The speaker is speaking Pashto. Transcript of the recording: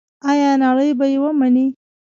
آیا نړۍ به یې ومني؟